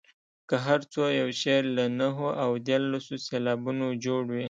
که هر څو یو شعر له نهو او دیارلسو سېلابونو جوړ وي.